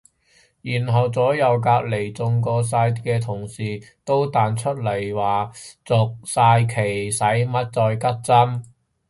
然後左右隔離中過晒嘅同事都彈出嚟話續晒期使乜再拮針